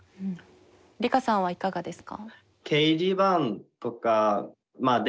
リカさんはいかがですか？